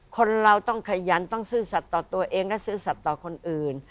คนเราต้องขยันต้องซื่อสัตว์ต่อตัวเองและซื่อสัตว์ต่อคนอื่น